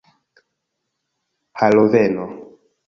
haloveno